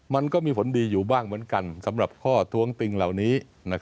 มันก็มีผลดีอยู่บ้างเหมือนกันสำหรับข้อท้วงติงเหล่านี้